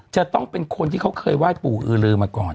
จะต้องเป็นคนที่เขาเคยไหว้ปู่อือลือมาก่อน